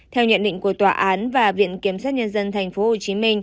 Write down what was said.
theo nhận định của tòa án và viện kiểm sát nhân dân tp hcm